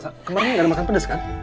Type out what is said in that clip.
sa kemarin gak ada makan pedes kan